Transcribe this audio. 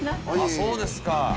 そうですか。